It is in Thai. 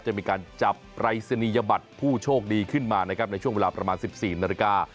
จะมีการจับปรายศนียบัตรผู้โชคดีขึ้นมานะครับในช่วงเวลาประมาณ๑๔นาฬิกา